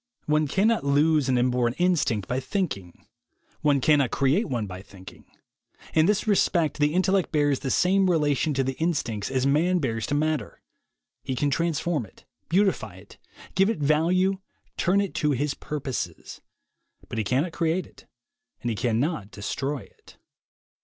One cannot lose an inborn instinct by thinking; one cannot create one by thinking. In this respect the intellect bears the same relation to the instincts as man bears to matter. He can transform it, beautify it, give it value, turn it to his purposes; but he cannot create it and he cannot destroy it.